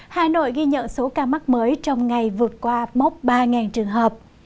hà nội ghi nhận số ca mắc mới trong ngày vượt qua mốc ba trường hợp